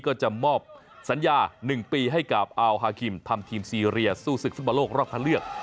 ก็จะมอบสัญญา๑ปีให้กับอัลฮาคิมทำทีมซีเรียสู้ศึกฟุตบอลโลกรอบคันเลือก